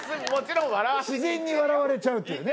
自然に笑われちゃうっていうね。